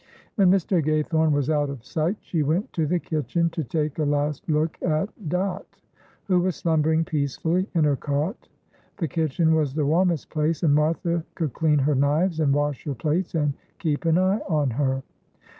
When Mr. Gaythorne was out of sight she went to the kitchen to take a last look at Dot, who was slumbering peacefully in her cot; the kitchen was the warmest place, and Martha could clean her knives and wash her plates and keep an eye on her.